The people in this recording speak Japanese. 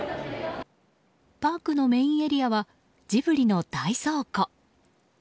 パークのメインエリアはジブリの大倉庫。